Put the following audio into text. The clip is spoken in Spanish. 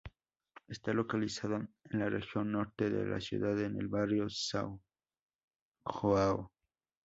Está localizado en la región norte de la ciudad, en el barrio São João.